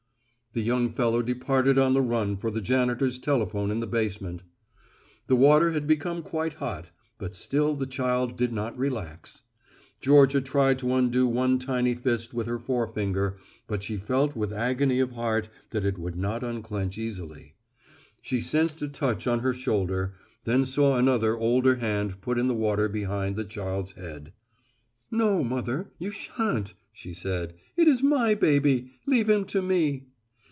The young fellow departed on the run for the janitor's telephone in the basement. The water had become quite hot, but still the child did not relax. Georgia tried to undo one tiny fist with her forefinger, but she felt with agony of heart that it would not unclench easily. She sensed a touch on her shoulder, then saw another older hand put in the water behind the child's head. "No, mother, you shan't," she said, "it is my baby, leave him to me."